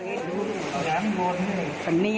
ปันนี้ไม่เจ๋ยมันเก๊มันเห้ย